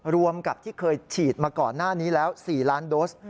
รวมกับที่เคยฉีดมาก่อนหน้านี้แล้ว๔ล้านโดส